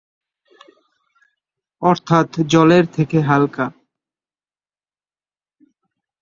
অর্থাৎ জলের থেকে হালকা।